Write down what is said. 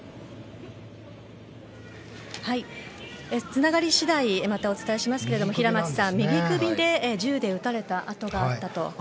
つながり次第またお伝えしますが平松さん、右首に銃で撃たれた痕があったと。